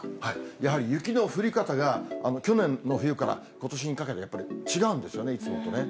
やはり雪の降り方が去年の冬からことしにかけてやっぱり違うんですよね、いつもとね。